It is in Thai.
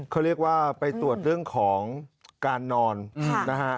เขาเรียกว่าไปตรวจเรื่องของการนอนนะฮะ